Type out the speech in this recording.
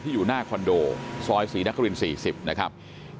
ที่อยู่หน้าคอนโดซอย๔นครินทร์๔๐นะครับ